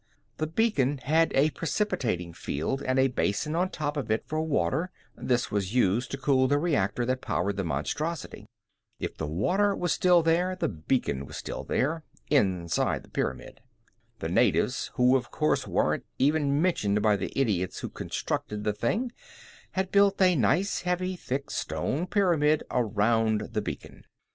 The beacon had a precipitating field and a basin on top of it for water; this was used to cool the reactor that powered the monstrosity. If the water was still there, the beacon was still there inside the pyramid. The natives, who, of course, weren't even mentioned by the idiots who constructed the thing, had built a nice heavy, thick stone pyramid around the beacon.